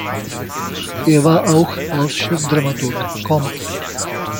Er war auch als Chefdramaturg, komm.